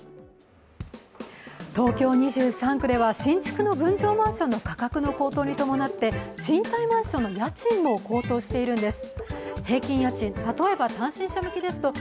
東京２３区では新築の分譲マンションの価格の高騰に伴って賃貸マンションの家賃も高騰しているんです。